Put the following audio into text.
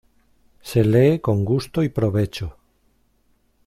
Se lee con gusto y provecho.